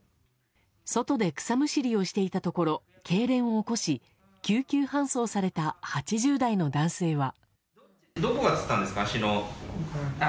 外で草むしりをしていたところけいれんを起こし救急搬送された８０代の男性は。